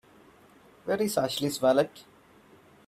Where's Ashley's wallet?